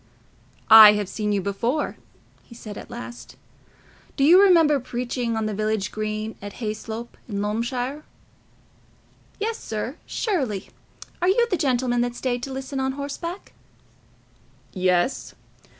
"I have seen you before," he said at last. "Do you remember preaching on the village green at Hayslope in Loamshire?" "Yes, sir, surely. Are you the gentleman that stayed to listen on horseback?" "Yes.